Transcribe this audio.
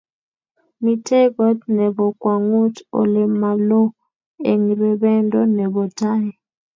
Miten koot nebo kwangut olemaloo eng rebendo nebo tai